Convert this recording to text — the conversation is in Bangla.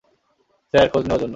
স্যার, খোঁজ নেওয়ার জন্য।